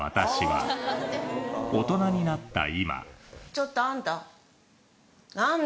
ちょっとあんた。